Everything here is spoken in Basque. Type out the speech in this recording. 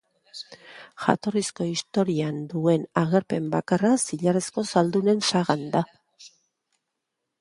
Jatorrizko istorioan duen agerpen bakarra zilarrezko zaldunen sagan da.